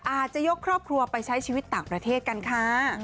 อาจจะยกครอบครัวไปใช้ชีวิตต่างประเทศกันค่ะ